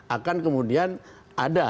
akan kemudian ada